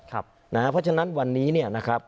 เพราะฉะนั้นวันนี้เนี่ยนะครับ